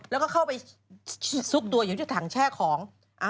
แล้วก็เข้าไปซุกตัวอยู่ที่ถังแช่ของ